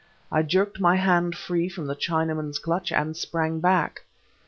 I jerked my hand free from the Chinaman's clutch and sprang back.